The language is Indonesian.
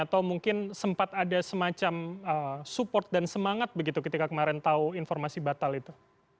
atau mungkin sempat ada semacam support dan semangat begitu ketika kemarin tahu informasi batal itu